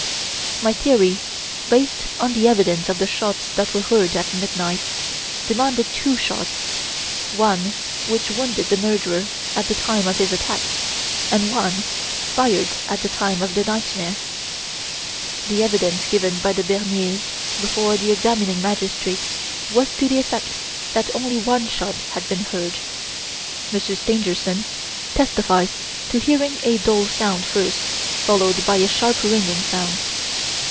"My theory, based on the evidence of the shots that were heard at midnight, demanded two shots one which wounded the murderer at the time of his attack, and one fired at the time of the nightmare. The evidence given by the Berniers before the examining magistrate was to the effect that only one shot had been heard. Monsieur Stangerson testified to hearing a dull sound first followed by a sharp ringing sound.